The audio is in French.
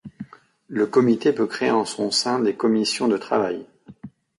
Le comité peut créer en son sein des commissions de travail.